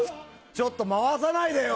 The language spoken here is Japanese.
ちょっと、回さないでよ！